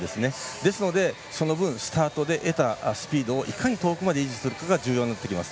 ですので、その分スタートで得たスピードをいかに遠くまで維持するかが大事になります。